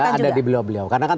iya ada di beliau beliau